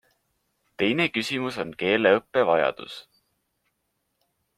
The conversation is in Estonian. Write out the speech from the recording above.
Teine küsimus on keeleõppe vajadus.